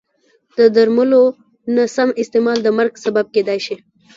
د درملو نه سم استعمال د مرګ سبب کېدای شي.